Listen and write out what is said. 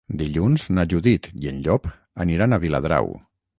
Dilluns na Judit i en Llop aniran a Viladrau.